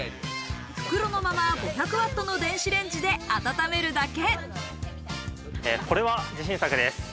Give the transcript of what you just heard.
袋のまま５００ワットの電子レンジで温めるだけ。